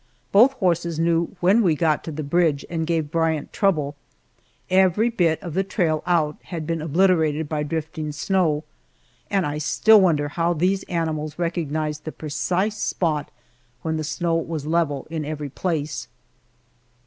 Both horses knew when we got to the bridge and gave Bryant trouble. Every bit of the trail out had been obliterated by drifting snow, and I still wonder how these animals recognized the precise spot when the snow was level in every place.